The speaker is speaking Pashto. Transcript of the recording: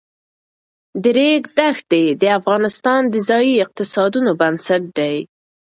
د ریګ دښتې د افغانستان د ځایي اقتصادونو بنسټ دی.